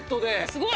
すごい！